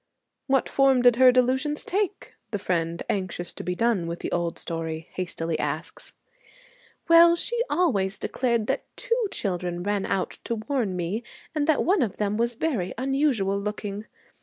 'What form did her delusions take?' the friend, anxious to be done with the old story, hastily asks. 'Well, she always declared that two children ran out to warn me and that one of them was very unusual looking.